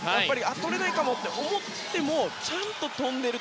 とれないかもと思ってもちゃんと跳んでいる。